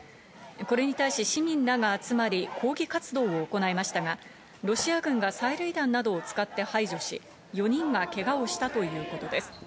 これに対し市民らが集まり、抗議活動を行いましたが、ロシア軍が催涙弾などを使って排除し、４人がけがをしたということです。